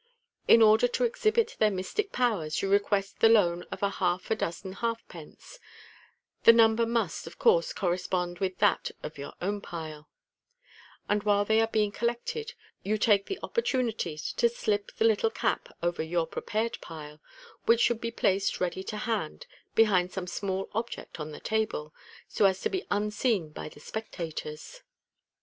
In order to exhibit their mystic powers, you request the loan of half a dozen halfpence (the number must, of course, correspond with that of your own pile), and, while they are being collected, you take the opportunity to slip the little cap over your prepared pile, which should be placed ready to hand behind some small object on the table, so as to be unseen by the spectators.